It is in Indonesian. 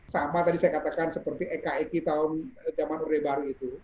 sama tadi saya katakan seperti eka eki tahun zaman urebari itu